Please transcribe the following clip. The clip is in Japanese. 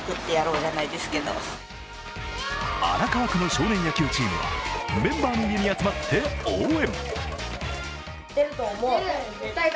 荒川区の少年野球チームは、メンバーの家に集まって応援。